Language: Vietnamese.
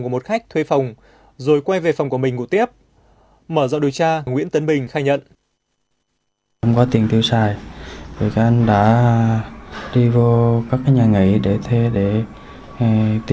của một khách thuê phòng rồi quay về phòng của mình ngủ tiếp